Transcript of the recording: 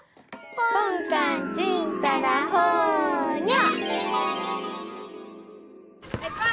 ぽんかんちんたらほにゃ！